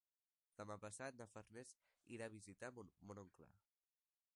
Demà passat na Farners irà a visitar mon oncle.